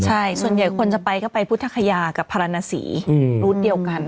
ใช่ส่วนใหญ่คนจะไปก็ไปพุทธคยากับพารณสีรูดเดียวกัน